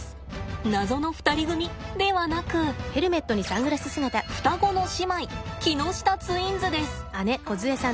謎の２人組ではなく双子の姉妹木下ツインズです。